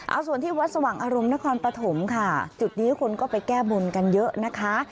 เอาส่วนที่วัดสว่างอารมณ์นครปฐมค่ะจุดนี้คนก็ไปแก้บนกันเยอะนะคะ